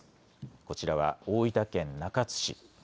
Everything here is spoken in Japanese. こちらは大分県中津市。